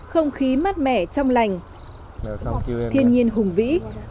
không khí mát mẻ trong lành thiên nhiên hùng vĩ